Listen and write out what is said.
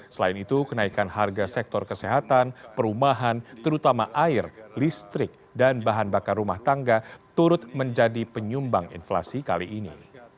selain itu kenaikan harga sektor kesehatan perumahan terutama air listrik dan bahan bakar rumah tangga turut menjadi penyumbang inflasi kali ini